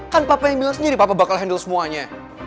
kan papa yang bilang sendiri papa bakal handle semuanya